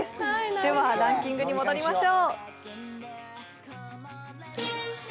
ではランキングに戻りましょう。